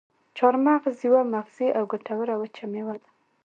چارمغز یوه مغذي او ګټوره وچه میوه ده.